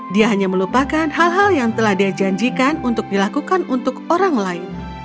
dia hanya melupakan hal hal yang telah dia janjikan untuk dilakukan untuk orang lain